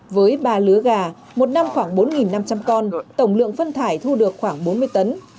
với ba lứa gà một năm khoảng bốn năm trăm linh con tổng lượng phân thải thu được khoảng bốn mươi tấn